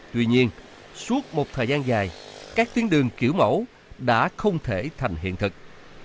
tuy nhiên suốt một thời gian dài các tuyến đường kiểu mẫu đã không thể thành hiện thực